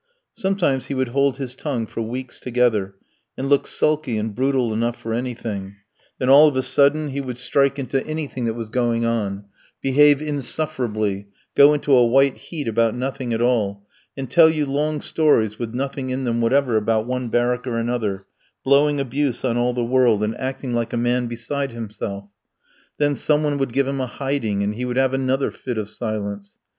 Sometimes he would hold his tongue for weeks together, and look sulky and brutal enough for anything; then all of a sudden he would strike into anything that was going on, behave insufferably, go into a white heat about nothing at all, and tell you long stories with nothing in them whatever about one barrack or another, blowing abuse on all the world, and acting like a man beside himself. Then some one would give him a hiding, and he would have another fit of silence.